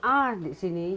iya di sini